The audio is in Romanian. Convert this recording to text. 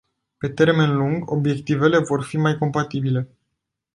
Pe termen lung, obiectivele vor fi mai compatibile.